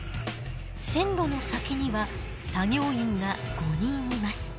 線路の先には作業員が５人います。